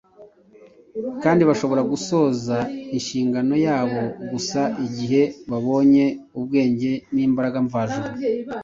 kandi bashobora gusoza inshingano yabo gusa igihe babonye ubwenge n’imbaraga mvajuru.